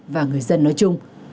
và người dân nói chung